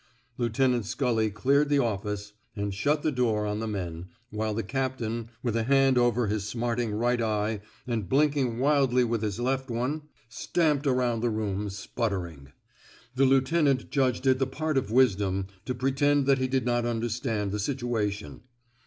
Lieutenant Scully cleared the office and shut the door on the men, while the captain, with a hand over his smarting right eye and 262 A PERSONALLY CONDUCTED REVOLT blinking wildly with his left one, stamped around the room, sputtering. The lieutenant judged it the part of wisdom to pretend that he did not understand the situation.